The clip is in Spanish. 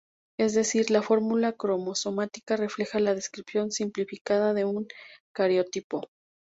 Es decir, la fórmula cromosómica refleja la descripción simplificada de un cariotipo.